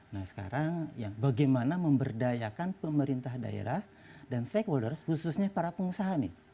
nah sekarang bagaimana memberdayakan pemerintah daerah dan stakeholders khususnya para pengusaha nih